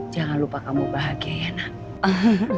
jangan lupa kamu bahagia ya nak